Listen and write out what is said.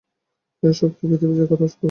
এই শক্তিই পৃথিবী জয় করবার শক্তি।